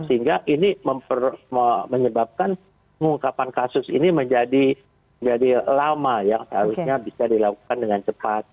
sehingga ini menyebabkan pengungkapan kasus ini menjadi lama yang seharusnya bisa dilakukan dengan cepat